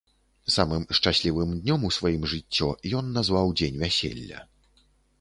Самым шчаслівым днём у сваім жыццё ён назваў дзень вяселля.